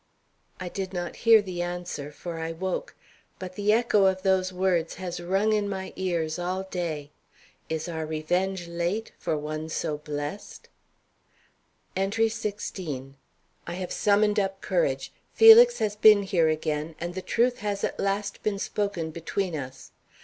I did not hear the answer, for I woke; but the echo of those words has rung in my ears all day. "Is our revenge late for one so blessed?" ENTRY XVI. I have summoned up courage. Felix has been here again, and the truth has at last been spoken between us.